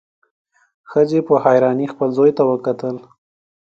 ښځې په حيرانۍ خپل زوی ته وکتل.